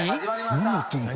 何やってんの？